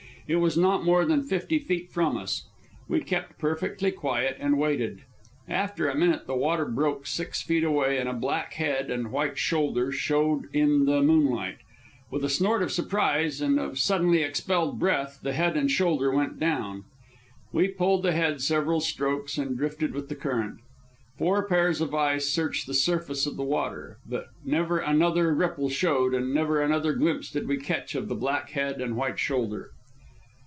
It was not more than fifty feet from us. We kept perfectly quiet and waited. After a minute the water broke six feet away, and a black head and white shoulder showed in the moonlight. With a snort of surprise and of suddenly expelled breath, the head and shoulder went down. We pulled ahead several strokes and drifted with the current. Four pairs of eyes searched the surface of the water, but never another ripple showed, and never another glimpse did we catch of the black head and white shoulder.